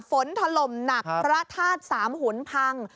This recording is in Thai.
ฝนทะลมหนักพระทาสสามหุนพัง